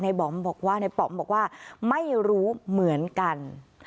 บอมบอกว่าในป๋อมบอกว่าไม่รู้เหมือนกัน